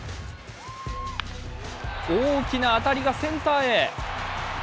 大きな当たりがセンターへ。